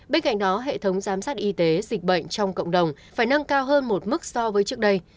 bên cạnh đó hệ thống giám sát y tế dịch bệnh trong cộng đồng phải nâng cao hơn một mức so với trước đây